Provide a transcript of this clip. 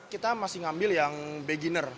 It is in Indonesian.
kita masih ngambil yang beginner